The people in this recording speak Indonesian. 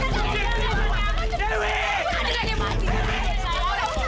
kamu diri apa shanti